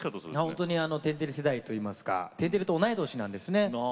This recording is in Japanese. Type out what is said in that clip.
本当に「天てれ」世代といいますか「天てれ」と同い年なんですね。